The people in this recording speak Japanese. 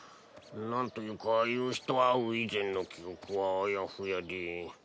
なんというか夕日と会う以前の記憶はあやふやで。